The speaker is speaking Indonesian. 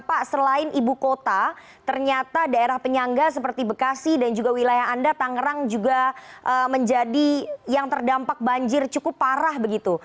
pak selain ibu kota ternyata daerah penyangga seperti bekasi dan juga wilayah anda tangerang juga menjadi yang terdampak banjir cukup parah begitu